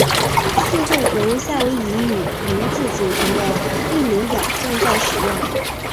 四份由夏威夷语名字组成的命名表正在使用。